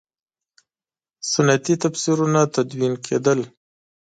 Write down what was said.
سنتي تفسیرونه تدوین کېدل.